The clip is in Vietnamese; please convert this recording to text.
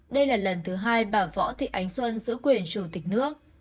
đây là lần thứ hai bà võ thị ánh xuân giữ quyền chủ tịch nước